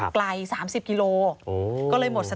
ไกล๓๐กิโลกรัม